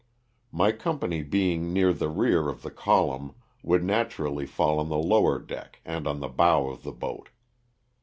*' My company being near the rear of the column loss OF THE SULTANA. 187 would naturally fall on the lower deck and on the bow of the boat.